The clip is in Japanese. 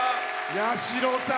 八代さん